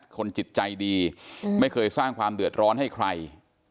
คนจิตใจดีไม่เคยสร้างความเดือดร้อนให้ใคร